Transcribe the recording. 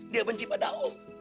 dia benci pada om